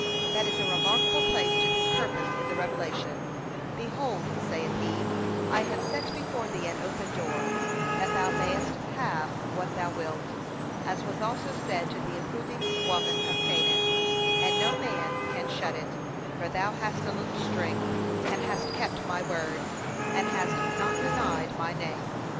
That is a remarkable place to this purpose in the Revelation 'Behold,' saith he, 'I have set before thee an open door,' that thou mayest have what thou wilt, as was also said to the improving woman of Canaan, 'and no man can shut it: for thou hast a little strength, and hast kept my word, and hast not denied my name.'